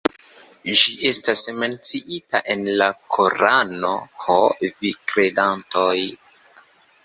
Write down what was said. Ĝi estas menciita en la Korano: "Ho vi kredantoj!